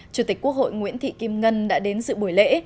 chủ tịch quốc hội nguyễn thị kim ngân đã đến dự buổi lễ